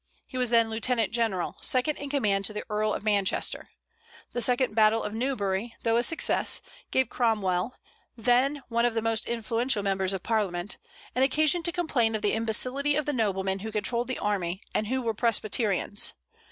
He was then lieutenant general, second in command to the Earl of Manchester. The second battle of Newbury, though a success, gave Cromwell, then one of the most influential members of Parliament, an occasion to complain of the imbecility of the noblemen who controlled the army, and who were Presbyterians.